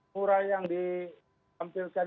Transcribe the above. mural yang diampilkan